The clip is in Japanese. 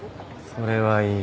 それはいい。